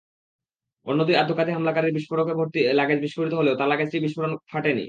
অন্য দুই আত্মঘাতী হামলাকারীর বিস্ফোরক-ভর্তি লাগেজ বিস্ফোরিত হলেও তার লাগেজটির বিস্ফোরক ফাটেনি।